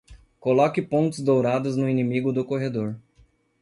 Coloque pontes douradas no inimigo do corredor.